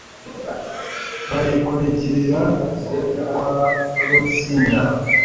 Bayikururira kwa Rutsinga